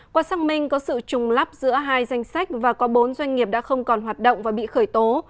qua xác minh có sự trùng lắp giữa hai danh sách và có bốn doanh nghiệp đã không còn hoạt động và bị khởi tố